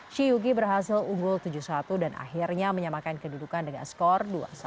shi yuki berhasil unggul tujuh satu dan akhirnya menyamakan kedudukan dengan skor dua puluh satu lima belas